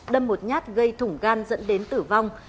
đâm một nhát gây thủng gan dẫn đến tử vong